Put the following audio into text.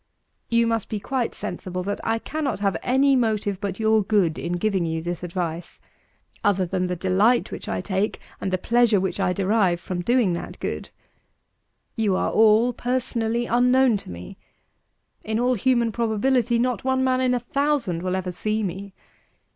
264. You must be quite sensible that I cannot have any motive but your good in giving you this advice, other than the delight which I take and the pleasure which I derive from doing that good. You are all personally unknown to me: in all human probability not one man in a thousand will ever see me.